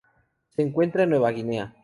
Se encuentran en Nueva Guinea.